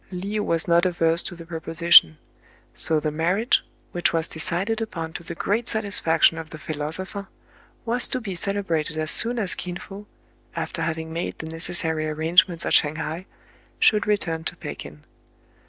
Le ou was not averse to the propo sition : so the marriage, which was decided upon to the great satisfaction of the philosopher, was to be celebrated as soon as Kin Fo, after having made the necessary arrangements at Shang hai, should return to Pekin.